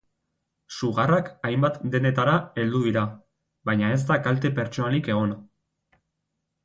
Sugarrak hainbat dendetara heldu dira, baina ez da kalte pertsonalik egon.